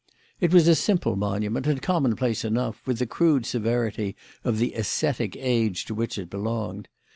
It was a simple monument and commonplace enough, with the crude severity of the ascetic age to which it belonged.